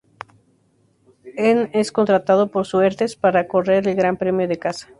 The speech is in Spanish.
En es contratado por Surtees para correr el Gran Premio de casa.